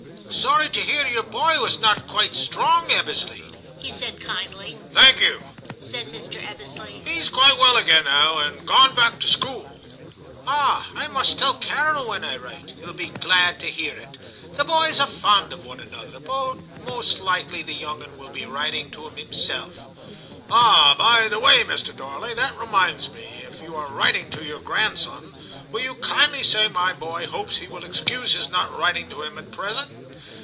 'Sorry to hear your boy was not quite strong, Ebbesley,' he said kindly. * Thank you,' said Mr. Ebbesley ;* he is quite well again now, and gone back to school.* * Ah ! I must tell Carol when I write ; he'll be glad to hear it ; the boys are fond of one another ; but most likely the young 'un will be writing to him himself.' * Ah ! by the way, Mr. Darley, that reminds me, if you are writing to your grandson, will you kindly say my boy hopes he will excuse his not writing to him at present?